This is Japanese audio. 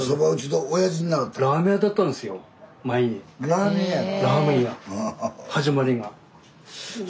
ラーメン屋なの。